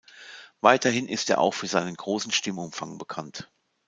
Weiterhin ist er auch für seinen großen Stimmumfang bekannt.